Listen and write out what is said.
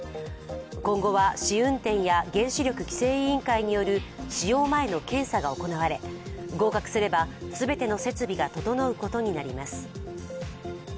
今後は、試運転や原子力規制委員会による使用前の検査が行われ合格すれば全ての設備が整うことになります。